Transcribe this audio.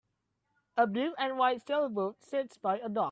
A blue and white sailboat sits by a dock.